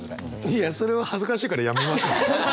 いやそれは恥ずかしいからやめましょう。